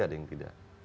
ada yang tidak